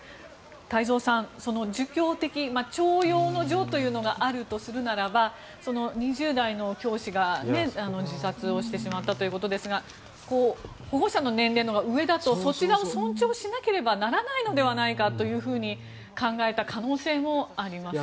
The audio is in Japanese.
太蔵さん、儒教的長幼の序というのがあるとすると２０代の教師が自殺をしてしまったということですが保護者の年齢のほうが上だとそちら側を尊重しなければならないのではないかと考えた可能性はありますね。